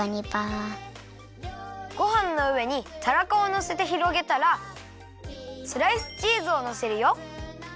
ごはんのうえにたらこをのせてひろげたらスライスチーズをのせるよ。